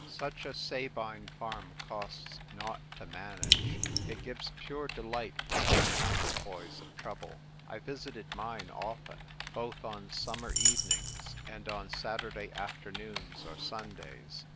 Such a Sabine farm costs nought to manage ; it gives pure delight without counter poise of trouble. I visited mine often, both on summer evenings and on Saturday after noons or Sundays.